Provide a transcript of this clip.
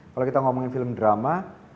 kalau kita ngomongin film drama